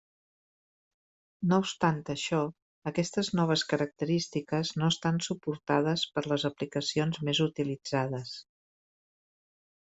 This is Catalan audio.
No obstant això, aquestes noves característiques no estan suportades per les aplicacions més utilitzades.